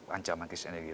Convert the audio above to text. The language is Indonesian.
ancaman krisis energi rakyat